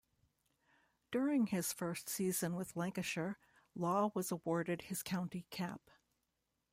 During his first season with Lancashire, Law was awarded his county cap.